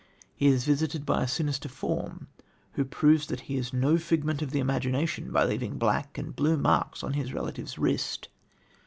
He is visited by a sinister form, who proves that he is no figment of the imagination by leaving black and blue marks on his relative's wrist.